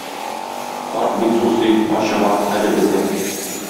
Карт бик сусый, ачыга, хәле бетә.